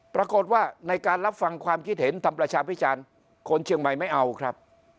ปรากฏว่าในการรับฟังความคิดเห็นทำประชาพิจารณ์คนเชียงใหม่ไม่เอาครับ